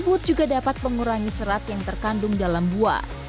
rambut juga dapat mengurangi serat yang terkandung dalam buah